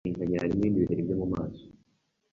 iminkanyari, n’ibindi biheri byo mu maso